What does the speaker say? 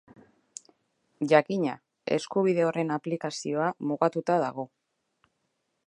Jakina, eskubide horren aplikazioa mugatuta dago.